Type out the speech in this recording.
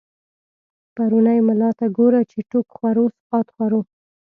پرونی ملا ته گوره، چی ټوک خورو سقاط خورو